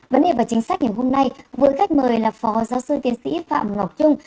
vấn đề và chính sách ngày hôm nay với khách mời là phó giáo sư tiến sĩ phạm ngọc trung